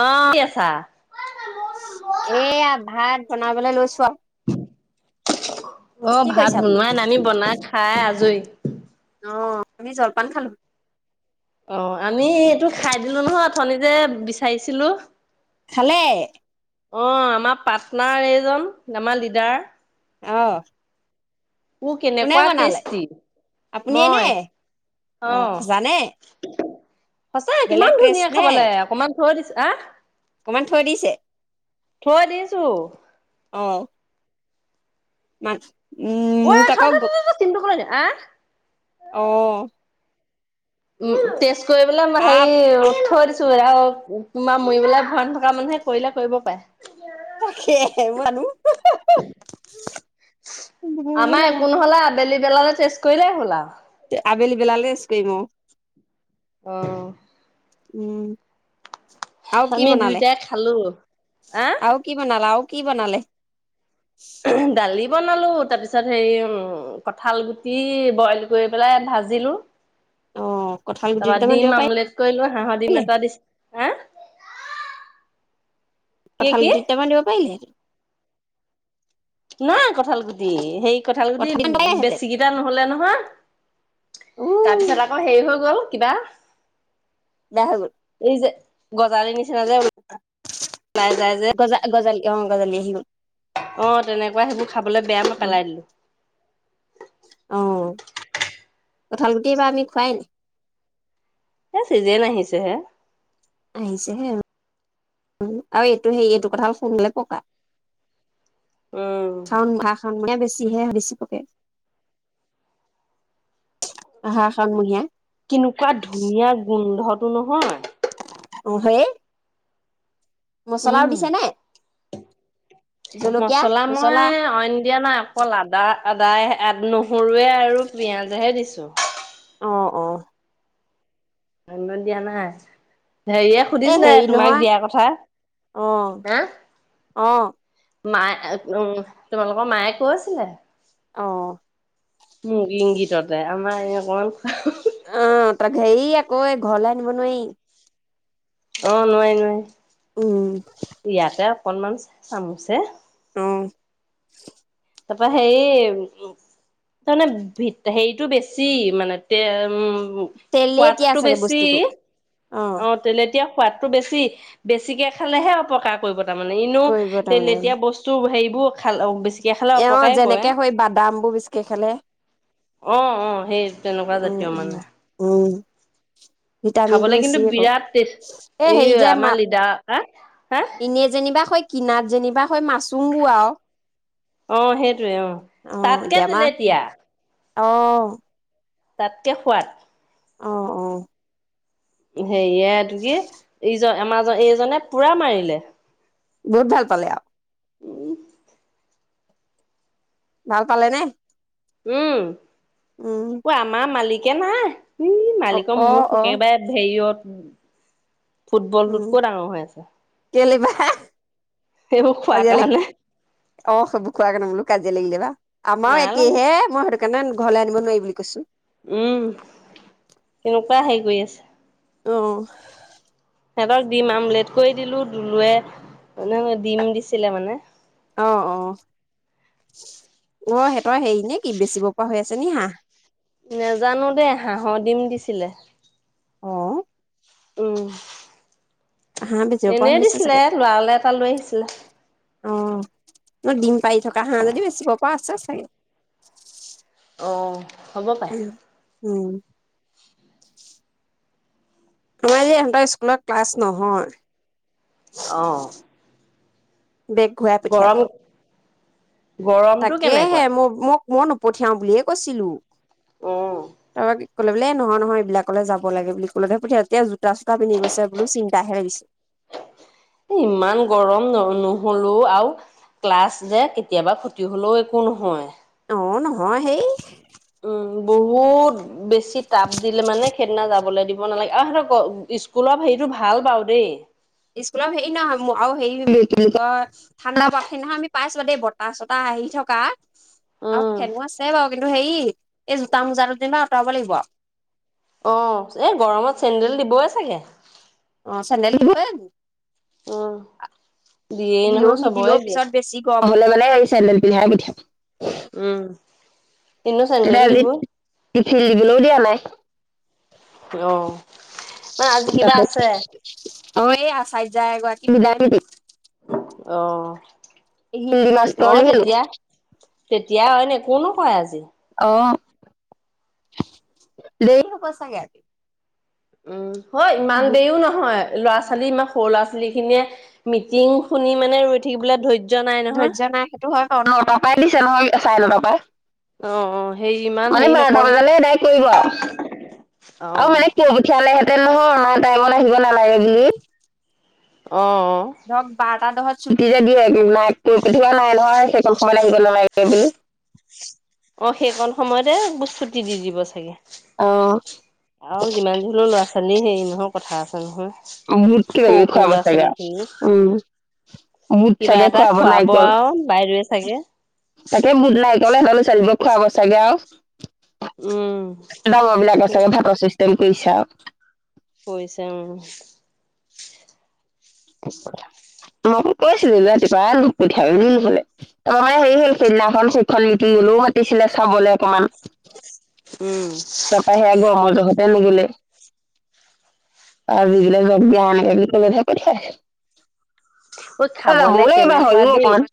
অহ, কৰি আছা? এয়া ভাত বনাবলৈ লৈছো আৰু। [inaudible] অহ, কি ভাত কৰিছে আপুনি? বনোৱাই নাই আমি বনাই খাই আজৰি। উ [inaudible] অহ, আমি জলপান খালো। অহ, আমি এইটো খাই দিলো নহয় অথনিতে বিচাৰিছিলো। খালে। অহ, আমাৰ পাৰ্টনাৰ এইজন আমাৰ লিডাৰ। অহ, মোৰ কেনেকুৱা টেষ্টি আপুনিয়ে নে মই অ' অহ জানে । সচা বেলেগ কিমান টেষ্ট ধুনীয়া নে খাবালে অকণমান থই দিছো আহ। অকমান থৈ দিছে। থই দিছো। অহ, অই মোক আকৌ থ-থ-থ-থ-থ [unintelligible] অহ, উম, তেজ কৰি পেলা মই হেৰী আপ থই দিছো। টোৱে তোমাৰ মুৰিবলে ভন। মানুহে কৰিলে কৰিব পাৰে তাকে মানুহ ভয়হে আমাৰ লগা একো নহলে। বেলি বেলালে চেষ্ট কৰিলেই হল আৰু। তে আবেলি বেলা ৰেষ্ট কৰিম আৰু । অহ, উম, আৰু কি আমি বনালে দুইটাই খালো আহ। আৰু কি বনালে আৰু কি বনালে? দালি। বনালো তাৰ পিছত হেৰি উম কঠাল গুটি বইল কৰি পেলাই ভাজিলো। অ' কঁঠাল গুটি তাৰপা দুটামান দিব ডিম আমলেট কৰিলো হাঁহৰ পাৰিলে ডিম এটা দিছো হা। কি কঁঠাল কি গুটি দুটামান দিব পাৰিলে। নাই কঠাল গুটি সেই। কঁঠাল গুটি বেছিকিটা নহলে নহয় উ তাৰপিছত আকৌ হেৰি হৈ গ'ল। কিবা। বেলা হয় গল। এই যে গজালি নিচ নিচ যেওল [unintelligible] ওলাই যাই যে ইং গঁজালি সিনো অ তেনেকুৱা সেইবোৰ খাবলৈ বেয়া বোৰ পেলাই দিলো। অ কঠাল গুটি এইবা আমি খোৱাই নাই। এ চিজেন আহিছে হে। আহিছে হে অহ আৰু এইটো সেই এইটো কঁঠাল শুনকালে পকা । উম দাউ ভাত খাউ গে। [unintelligible] বেছিহে বেচি পকে। আহাৰ শাওনমহীয়া। কেনেকুৱা ধুনীয়া গোন্ধত। টো নহয়। অ হে। মছলাও উম। দিছে নে? মছলা মই অইন দিয়া নাই অকল আদা। আদায় আদ নহৰুৱে আৰু। পিয়াজহে দিছো অ অ নন্ন্দিয় [unintelligible] নাই এ হেৰিয়ে হেৰি নহয় সুধিছিলে তোমাক অ দিয়াৰ কথা অ হ, মায়ে উম তোমালোকৰ মায়ে কৈছিলে, অ মোক ইংগিততে আমাৰ এই অকণমান অহ তাক হেৰি আকৌ এই ঘৰলৈ নিব নোৱাৰি অ নোৱাৰি নোৱাৰি উম ইয়াতে অকণমান চামুছে অ তাৰপা হেই উ তাৰমানে ভ হেৰিটো বেছি মানে তে উম তেলেতিয়া সোৱাদটো চাগে বস্তুটো বেছি অ তেলে । তেতিয়া সোৱাদটো বেছি বেছিকে খালেহে অপকাৰ কৰিব তাৰমানানে এনেো কৰিব তে তাৰমানে এতিয়া বস্তু হেৰি । খাল বেছি । এওঁ যেনেকে হৈ বাদাম বোৰ বিচকে খালে অ অ সেই তেনেকুৱা উ জাতীয় উ উম ভিটামিন টো খাবলৈ বেছি কিন্তু আকৌ বিৰাট এ টেষ্ট এই হেৰি যে মা আমাৰ লিডা হ হা এনে যেনিবা হয় কিনাত যেনিবা হয় মাচুং গও অহ সেইটয়ে অ তাতকে মা তেলেতিয়া অ । তাতকে সোৱাদ অ অ । সেয়য়া ত কি এইয [unintelligible] এমাজন এইজনে পুৰা মাৰিলে । বোৰ ভাল পালে আ উম ভাল পালে নে উম উম অ আমাৰ মালিক একাকে নাই উ অ মালিকৰ অ মোক অ একেবাৰে হেৰিয়ত । উম ফুটবলটোতকৈ ডাঙৰ হৈ আছে হেহ এইবো খোৱা কানে অ সব খোৱা নে বোলো কাজিয় লাগিলে বা । আমাও নাই লগা একেহে মই স। কাৰণে ঘৰলৈ আনিব নোৱাৰি বুলি কৈছো। উম কেনেকুৱা হেৰি কৰি আছে। অহ সিহঁতক দিম আমলেট কৰি দিলো দুলুৱে মানে ডিম দিছিলে মানে অ অ অ সিহঁতৰ হেৰি নে কি বেচিব পৰা হৈ আছে নি হাঁহ নেজানো দেই হাঁহৰ দিম দিছিলে অহ উম । হাঁহ বেচিব পৰা এনেই হৈছে দিছিলে চাগে লৰালে এটা লৈ আহিছিলে। অ ম ডিম পাৰি থকা হাঁহ যদি বেছিব পৰা আছে চাগে । অ। হ'ব পাৰে। উম। তোমাৰ যে ইহঁতৰ স্কুলত ক্লাছ নহয়। অহ। বেগ ঘূৰাই পঠিয়ালে। গৰমটো তাকেহে কেনেকুৱা মোৰ মোক মইয়ো নপঠিয়াও বুলিয়ে কৈছিলোঁ। এ [unintelligible] ক'লে বোলে নহয় নহয় এইবিলাকলে যাব লাগে বুলি ক'লে পঠিয়াই জোতা চোতা পিন্ধি বোলো চিন্তাহে লাগিছে। ইমান গৰম ন নহলো আও ক্লাছ যে কেতিয়াবা খ তি হ'লেও একো নহয়। অ নহয় হেই। উম বহুত বেছি তাপ দিলে মানে সেইদিনা যাবলে দিব নালাগে, অহ সিহঁত স্কুলৰ হেৰিতটো ভাল বাও দেই। স্কুলৰ হেৰি নহয় আৰু হেৰি কি কিয় ঠাণ্ডা পাত সেইদিনাখন আমি পাইছোঁ দেই বতাহ চতাহ আহি থকা। আৰু ফেনো আছে বাও। কিন্তু হেৰি, এই জোতা মোজা যেনিবা আঁতৰাব লাগিব আও। অ এই গৰমত চেডেল দিবই চাগে? অ চেডেল [unintelligible] দিয়েই দিলো নহয় চবৰে নিদিলেও দিয়ে পিছত বেছি গৰম গলে মেনে হেৰি চেডেল পিধাই পঠিয়াম। উম। তেতিয়া আজি টিফিল দিবলেও দিয়া নাই । অ। মানে আজি কিবা তাকে আছে [inaudible] অ এই আচাইযা এগৰাকী [inaudible] আহ। [unintelligible] তেতিয়াই হয় ন কোনো কয় আজি। [unintelligible] উম। হয় ইমান দেৰিও নহয়। ল'ৰা ছোৱালী ইমা সৰু ল'ৰা ছোৱালী খিনিয়ে মিটিং শুনি মানে ৰৈ থাকিবলে ধৈ ধৈৰ্য্য নাই সেইটো হয় বাও ন নটাৰ পৰাই দিছে নহয় চাই নটা অ অ সেই ইমান বাহ মানে হেৰি বাৰটা নকৰে বজালৈ এদায় কৰিব আও আৰু অ', মানে কৈ পঠিয়ালেহেতে তে নহয় আমাৰ টাইমত আহিব নালাগে বুলি। অ', অ', ধৰক বাৰটা দহত ছুটি যে দিয়ে ন পথিৱা নাই নহয় সেইখন সময় আহিব নালাগে বুলি অ সেইকণ সময়তে ছুটি দি দিব চাগে অ আও যিমান যি হলো ল'ৰা ছোৱালী হেৰি নহক কথা আছে নহয় বুট কিবা সৰু কিবি সৰু খোৱাব ল'ৰা চাগে ছোৱালী আও খিনি উম বুট কিবা চাগে এটা খোৱাব খুৱাব নাইকল আৰু বাইদেৱে চাগে। তাকে গুডনাইট নলে হলে চ দিব খোৱাব চাগে আও উম, ডাঙৰ বিলাক চাগে ভাতৰ চিষ্টেম বৈছাও পইচা উম কৈছিলা মই কৈছিলো ৰাতিপুৱা লোক পঠিয়াব বোলে তাপা মানে হেৰি হল সেইদিনাখন শিক্ষণ নীতি গলেও মাতিছিলে চাবলৈ অকমান উম। তাপা সে আগ মোৰ লগতে নিমিলে আৰু যাক য দিয় এনেকে কলে কাই ঐ আকৌ খাবলে যাবও লাগিব ৰ কেনেকুৱা হয়ও দেই অকমান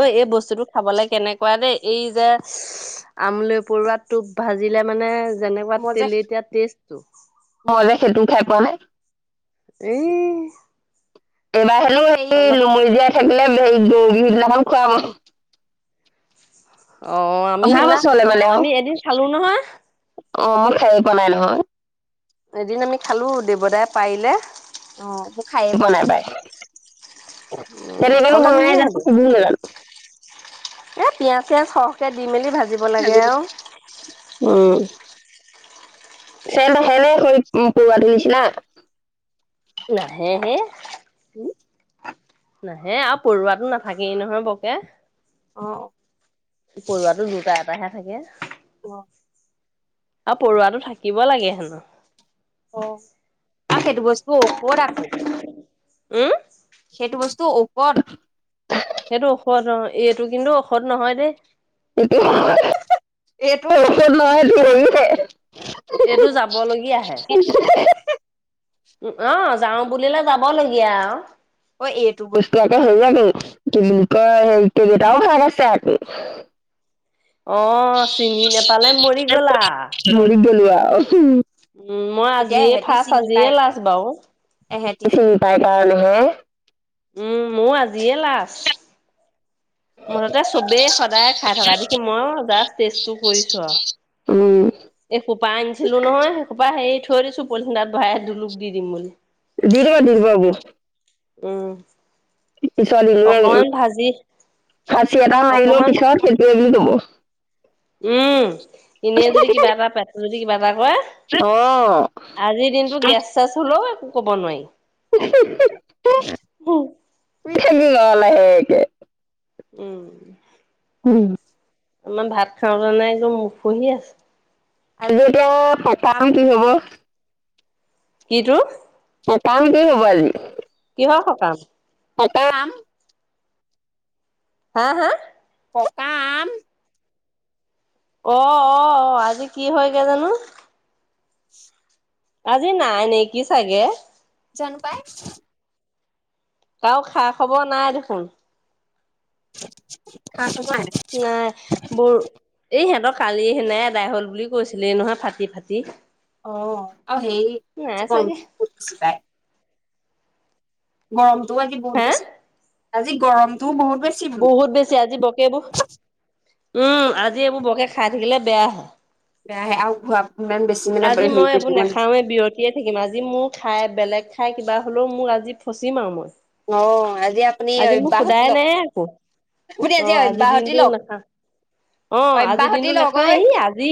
ঐ এই বস্তুটোক খাবলৈ কেনেকোৱা দেই এই যে আমলই পৰুৱা টোপ ভাজিলে মানে যেনেকোৱা মই টেলৈটিয়া টেষ্টতো সেইটোও খাই পোৱা নাই এই নোলায় হেল্ল সেই অলপ লুমৰিজিয়াত থাকিলে হে বিভিনাখন খোৱা অ আমি অহা সিদিনা বছৰলে মানে আৰু। আমি এদিন চালো নহয় অ মই খাইয়ে পোৱা নাই নহয় এদিন আমি খালো দেৱতাই পাৰিলে অ মোৰ খাইয়ে পোৱা নাই পাই উম কেনকৈনো খাবলৈ বনাই ধুনীয়া জানো সেইটো সেইটোও নাজানো কে দি মেলি ভাজিব লাগে আৰু উম চেইম সেনে কৰি পৰুৱাটো নিচিনা নাহে হে উম নাহে আও পৰুৱাটো নাথাকেই নহয় বকে অ'হ! পৰুৱাটো দুটা, এটাহে তাকে অ'! আৰু পৰুৱাটো থাকিব লাগে হেনোঁ। অ'! আৰু সেইটো বস্তু ঔষধ আকৌ। উম? সেইটো বস্তু ঔষধ। সেইটো ঔষধ অ'! এইটো কিন্তু ঔষধ নহয় দেই। তাকে হেঁ! হেঁ! হেঁ! এইটো ঔষধ নহয়, এইটো হেৰিহে এইটো যাব লগীয়াহে। অ'! যাওঁ বুলিলে, যাবলগীয়া আও। অ' এইটো বস্তু আকৌ, হেৰি আকৌ, কি বুলি কয়, কেইবাটাও ভাগ আছে আকৌ। অ' চিনি নেপালে, মৰি গ'লা। মৰি [unintelligible] উম, মই এতিয়া আজিয়ে এহেঁতি ফাৰ্ষ্ট, চিনি পায় আজিয়ে লাষ্ট বাৰু। এহেঁতি চিনি পাই কাৰণে হে। উম মও আজিয়ে লাষ্ট। মুঠতে চবেই সদায়ে খাই থকা দেখি, মইও জাষ্ট টেষ্টটো কৰিছোঁ উম, আৰু। এই সোপা আনিছিলো নহয়, এইসোপা হেৰি থৈ দিছোঁ, পলিথিন এটাত ভৰাই। হেৰি দুুলুক দি দিম বুলি। দি দিব, দি দিব বৌ। উম! পিছৰ অকমান [unintelligible] ভাজি খাহী এটা মাৰিলোঁ অকমান পিছত, সেইটো এৰিলোঁ। অ'! উম! এনেই যদি কিবা এটা পেট যদি কিবা এটা হয়! অ'। আজিৰ দিনটো গেছ চেছ হলেও ক'ব নোৱাৰি। হ'ম। ঠেলি ল লাহেকে [inaudible] উম! উম! আমাৰ ভাত খাওঁতা নাই যে, একদম ওখহি আছে। আজি এতিয়া অ' সকাহ কি হ'ব? কিটো? সকাম কি হ'ব আজি? কিহৰ সকাম? সকাম! হা? হা? সকাম অ অ আহ আজি কি হয়গৈ জানো [inaudible] আজি নাই নেকি চাগে জানো পাই কাৰো খা খবৰ নাই দেখোন কছ সেয়াই বৰ এই সিহঁতক কালি সেনাই আদাই হল বুলি কৈছিলে নহয় ফাটি ফাটি অ আৰু সেই নাই চাগে জীৱনটোত চি পায় বাম [inaudible] তোৰ আ কি বহুত হা বছি আজি গৰমতোও বহুত বেছি বোলো বহুত বেছি আজি পকেব উম আজি এইবোৰ বৰকে খাই থাকিলে বেয়া হয় বেয়া আহে আৰু ঘোৱা ইমান বেছি মানে আজি হেৰি মই কৰি এইবোৰ থাকিব নালাগে নাখাওৱে বিৰতিয়ে থাকিম আজি মোৰ খাই বেলেগ খাই কিবা হলেও মোৰ আজি ফচিম আৰু মই আহ আজি আপুনি আজি মোক অব্যাহতি সোধাই লওক নাই আকৌ আপুনি অ আজি অব্যাহতি দিনটো লওক নাখাওঁ অ আজিৰ অব্যাহতি দিনটো লওক ঐ নাখাওঁ এই আজি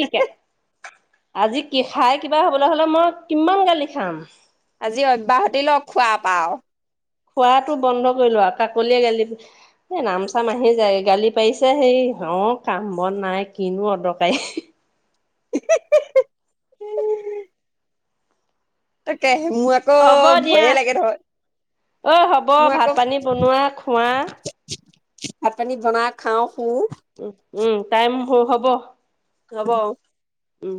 আজি কি খাই কিবা হ'বলৈ হ'লে মই কিমান গালি খাম আজি অব্যাহতি লক খোৱা পাওঁ খোৱাটো বন্ধ কৰিলো আৰু কাকলিয়ে গালি এ নাম চাম আহি যায় গালি পাৰিছে সেই অ কাম বন নাই কিনো অদৰকাৰী উম [inaudible] তাকে হ'ব দিয়া ভয়ে লাগে নহয় অঐ হ'ব মোৰ ভাত আকৌ পানী বনোৱা খোৱা ভাত পানী বনা খাও শু উ উম টাইম হব ল'ব আৰু উম